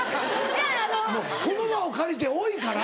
もうこの場を借りて多いから。